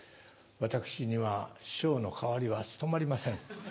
私には師匠の代わりは務まりません。